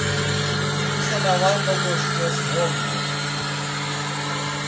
Huşa na var mogoşǩves vogni.